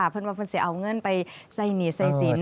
เพื่อนบางฟังเสียงเอาเงินไปใส่เหนียดใส่สิน